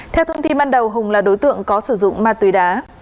theo thông tin ban đầu hùng là đối tượng có sử dụng ma túy đá